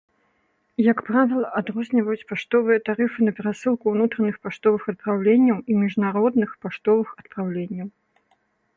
Як правіла, адрозніваюць паштовыя тарыфы на перасылку ўнутраных паштовых адпраўленняў і міжнародных паштовых адпраўленняў.